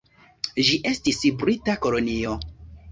Ĝi estis brita kolonio.